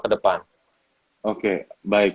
ke depan oke baik